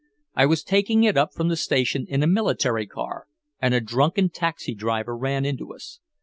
I was taking it up from the station in a military car, and a drunken taxi driver ran into us.